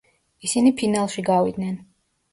ისინი ფინალში გავიდნენ.